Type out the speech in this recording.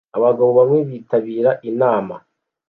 Abagabo bamwe bitabira inama